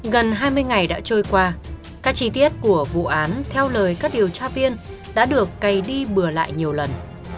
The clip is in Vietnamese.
gần hai mươi ngày đã trôi qua các chi tiết của vụ án theo lời các điều tra viên đã được cày đi bừa lại nhiều lần